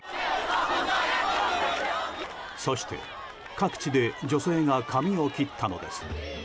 そして、各地で女性が髪を切ったのです。